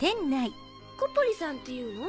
コポリさんっていうの？